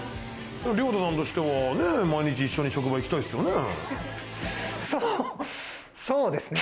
亮太さんとしてはね、毎日職場へ行きたいですよね。